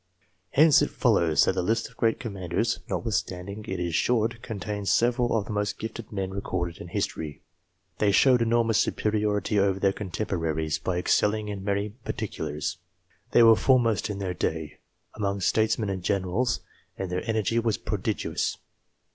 Hence it follows that the list of great commanders, notwithstanding it is short, contains several of the most gifted men recorded in history. They showed enormous superiority over their contemporaries by excelling in many particulars. They were foremost in their day, among statesmen and generals, and their energy was prodigious.